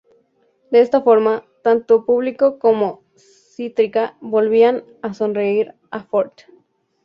De esta forma, tanto público como crítica volvían a sonreír a Ford.